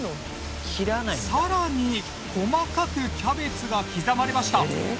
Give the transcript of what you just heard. さらに細かくキャベツが刻まれました。